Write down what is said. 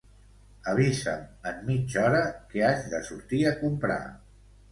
Avisa'm en mitja hora que haig de sortir a comprar.